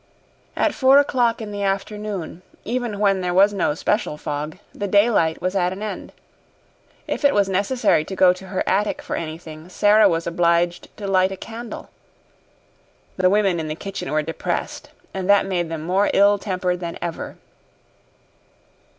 At four o'clock in the afternoon, even when there was no special fog, the daylight was at an end. If it was necessary to go to her attic for anything, Sara was obliged to light a candle. The women in the kitchen were depressed, and that made them more ill tempered than ever.